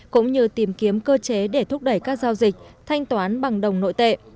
cũng như tìm kiếm cơ chế để thúc đẩy các giao dịch thanh toán bằng đồng nội tệ